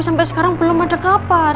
sampai sekarang belum ada kabar